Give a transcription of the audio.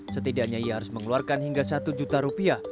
setidaknya ia harus mengeluarkan hingga satu juta rupiah